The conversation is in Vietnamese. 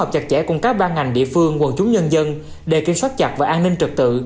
các ngành địa phương quần chúng nhân dân để kiểm soát chặt và an ninh trực tự